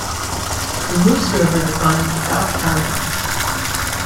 The Moose River defines the south town line.